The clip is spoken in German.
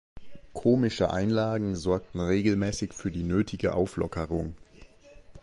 Komische Einlagen sorgten regelmäßig für die nötige Auflockerung.